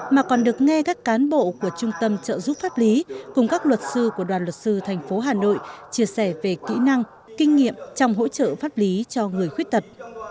mà còn được nghe các cán bộ của trung tâm trợ giúp pháp lý cùng các luật sư của đoàn luật sư thành phố hà nội chia sẻ về kỹ năng kinh nghiệm trong hỗ trợ pháp lý cho người khuyết tật